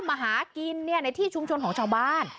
มาหากินในที่ชุมชนของชาวบ้าน